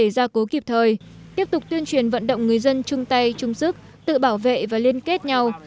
gia cố kịp thời tiếp tục tuyên truyền vận động người dân chung tay chung sức tự bảo vệ và liên kết nhau